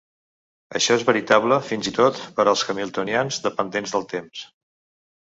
Això és veritable fins i tot per als hamiltonians dependents del temps.